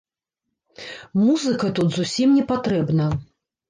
Музыка тут зусім не патрэбна.